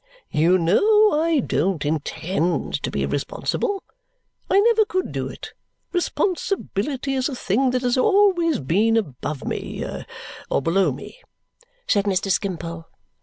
"You know I don't intend to be responsible. I never could do it. Responsibility is a thing that has always been above me or below me," said Mr. Skimpole.